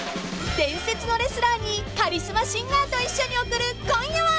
［伝説のレスラーにカリスマシンガーと一緒に送る今夜は］